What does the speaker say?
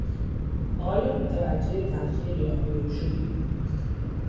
آیا متوجه تلخی قیافه او شدی؟